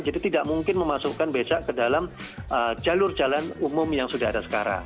jadi tidak mungkin memasukkan becak ke dalam jalur jalan umum yang sudah ada sekarang